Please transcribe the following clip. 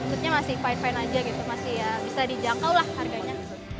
maksudnya masih fine fine aja gitu masih ya bisa dijangkau lah harganya